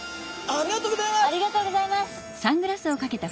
ありがとうございます。